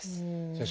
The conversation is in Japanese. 先生。